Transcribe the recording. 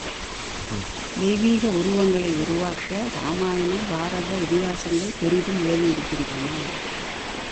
தெய்வீக உருவங்களை உருவாக்க ராமாயண, பாரத இதிகாசங்கள் பெரிதும் உதவியிருக்கின்றன.